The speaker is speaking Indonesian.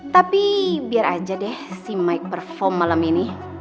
tapi biar aja deh si mic perform malam ini